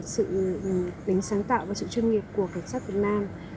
sự tính sáng tạo và sự chuyên nghiệp của cảnh sát việt nam